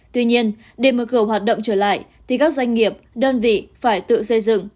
tuy nhiên để mở gồ hoạt động trở lại thì các doanh nghiệp đơn vị phải tự xây dựng